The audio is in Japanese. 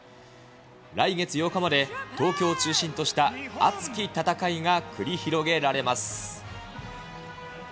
来月８日まで、東京を中心とした熱き戦いが繰り広げられます。